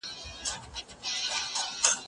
زه به سبا مېوې راټولوم وم!.